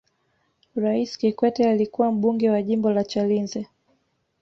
raisi kikwete alikuwa mbunge wa jimbo la chalinze